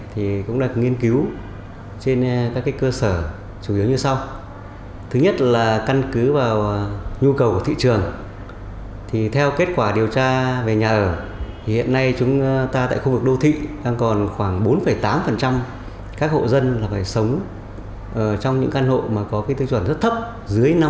thì phấn đấu đạt cái chỉ tiêu nhà ở tối thiểu là sáu m hai một người